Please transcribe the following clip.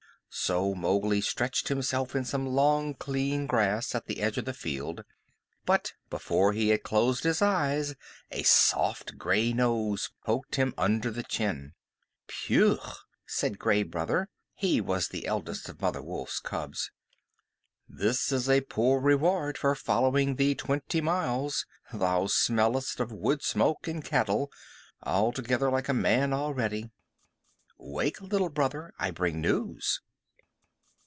So Mowgli stretched himself in some long, clean grass at the edge of the field, but before he had closed his eyes a soft gray nose poked him under the chin. "Phew!" said Gray Brother (he was the eldest of Mother Wolf's cubs). "This is a poor reward for following thee twenty miles. Thou smellest of wood smoke and cattle altogether like a man already. Wake, Little Brother; I bring news."